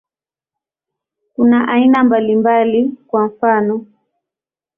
Kuna aina mbalimbali, kwa mfano.